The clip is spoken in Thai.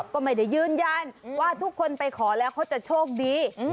ก็ไม่ได้ยืนยันว่าทุกคนไปขอแล้วเขาจะโชคดี